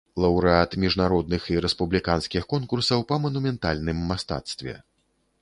Лаўрэат міжнародных і рэспубліканскіх конкурсаў па манументальным мастацтве.